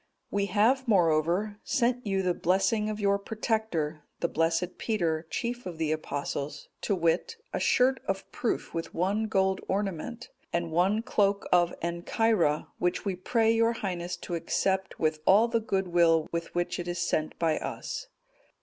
"We have, moreover, sent you the blessing of your protector, the blessed Peter, chief of the Apostles, to wit, a shirt of proof with one gold ornament, and one cloak of Ancyra, which we pray your Highness to accept with all the goodwill with which it is sent by us."